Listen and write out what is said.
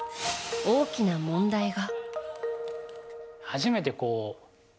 大きな問題が。